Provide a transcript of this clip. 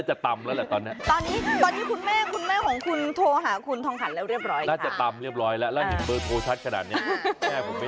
อย่าดีเพิ่มมูลค่าได้ค่ะ